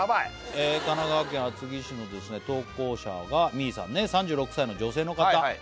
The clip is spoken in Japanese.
神奈川県厚木市の投稿者がみーさんね３６歳の女性の方